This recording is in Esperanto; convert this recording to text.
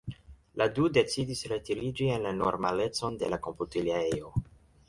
La du decidis retiriĝi en la normalecon de la komputilejo.